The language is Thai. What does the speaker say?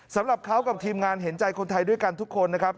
สำหรับเขากับทีมงานเห็นใจคนไทยด้วยกันทุกคนนะครับ